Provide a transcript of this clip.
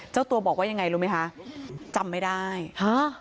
เจ้าตัวบอกว่ายังไงรู้ไหมคะจำไม่ได้ฮะ